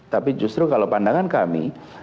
tapi justru kalau pandangan kami